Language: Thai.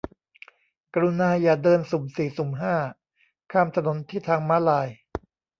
กรุณาอย่าเดินสุ่มสี่สุ่มห้า ข้ามถนนที่ทางม้าลาย